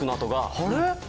あれ？